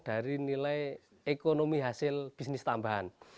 dari nilai ekonomi hasil bisnis tambahan